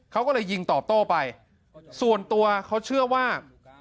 เขาก็เลยยิงตอบโต้ไปส่วนตัวเขาเชื่อว่า